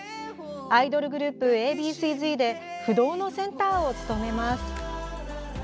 アイドルグループＡ．Ｂ．Ｃ‐Ｚで不動のセンターを務めます。